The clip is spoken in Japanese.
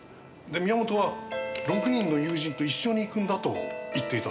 宮本は６人の友人と一緒に行くんだと言っていたそうです。